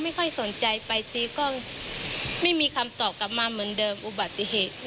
ไม่ค่อยสนใจไปตีก็ไม่มีคำตอบกลับมาเหมือนเดิมอุบัติเหตุ